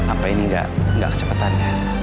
apa ini nggak kecepatannya